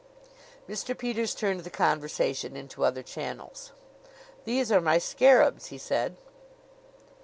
Mr. Peters turned the conversation into other channels. "These are my scarabs," he said.